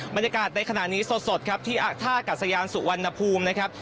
บรรยากาศในขณะนี้สดครับที่ท่ากัศยานสุวรรณภูมินะครับ